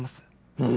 うん！